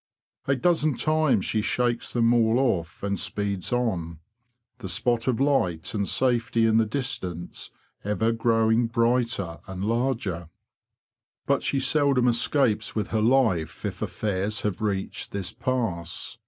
A dozen times she shakes them all off, and speeds on, the spot of light and safety in the distance ever growing brighter and larger. But she seldom escapes with her life if affairs have reached this pass.